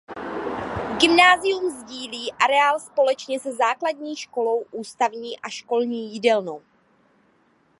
Gymnázium sdílí areál společně se Základní školou Ústavní a školní jídelnou.